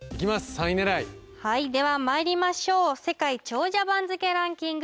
３位狙いはいではまいりましょう世界長者番付ランキング